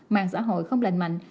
mạng xã hội không lành mạnh